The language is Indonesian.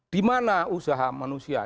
di mana usaha manusia